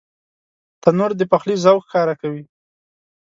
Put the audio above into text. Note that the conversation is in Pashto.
تنور د پخلي ذوق ښکاره کوي